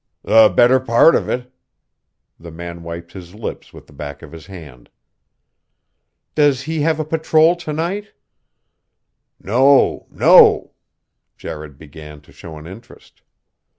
"The better part of it." The man wiped his lips with the back of his hand. "Does he have a patrol to night?" "No! no!" Jared began to show an interest.